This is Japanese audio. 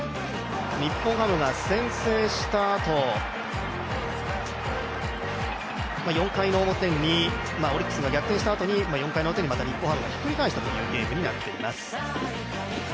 日本ハムが先制したあと４回の表オリックスが逆転したあとに４回表に日本ハムがひっくり返したゲームになっています。